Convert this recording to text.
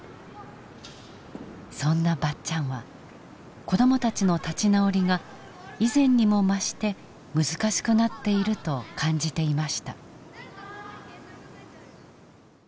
そんなばっちゃんは子どもたちの立ち直りが以前にも増して難しくなっていると感じていました。